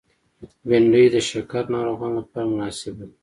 بېنډۍ د شکر ناروغانو لپاره مناسبه ده